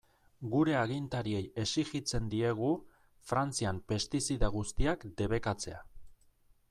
Gure agintariei exijitzen diegu Frantzian pestizida guztiak debekatzea.